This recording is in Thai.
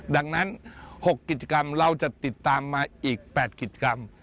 ดังนั้น๖กิจกรรมเราจะติดตามมาอีก๘กิจกรรม